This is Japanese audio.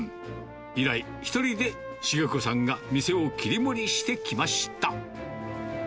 以来、１人で重子さんが店を切り盛りしてきました。